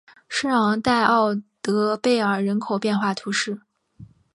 圣昂代奥德贝尔人口变化图示